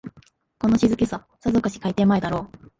この静けさ、さぞかし開店前だろう